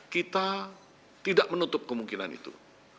kita tidak menutup kemungkinan itu